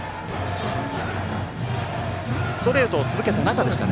ストレートを続けた中でしたね。